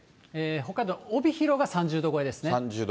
北海道帯広が３０度超えですね。